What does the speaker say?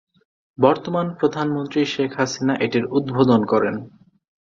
বর্তমান প্রধানমন্ত্রী শেখ হাসিনা এটির উদ্বোধন করেন।